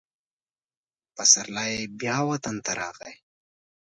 پسرلی بیا وطن ته راغی.